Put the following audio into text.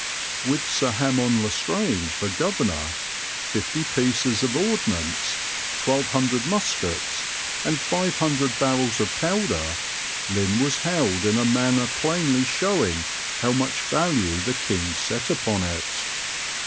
With Sir Hamon le Strange for governor, 50 pieces of ordnance, 1200 muskets, and 500 barrels of powder, Lynn was held in a manner plainly showing how much value the King set upon it.